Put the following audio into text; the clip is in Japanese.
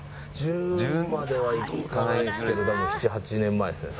１０まではいかないですけど多分７８年前ですよね。